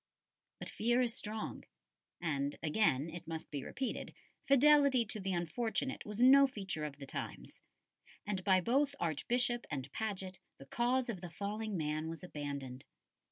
But fear is strong and again it must be repeated fidelity to the unfortunate was no feature of the times; and by both Archbishop and Paget the cause of the falling man was abandoned.